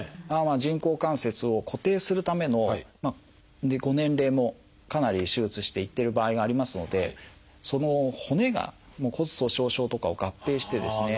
人工関節を固定するためのご年齢もかなり手術していってる場合がありますのでその骨が骨粗しょう症とかを合併してですね